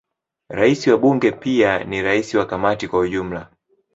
Rais wa Bunge pia ni rais wa Kamati kwa ujumla.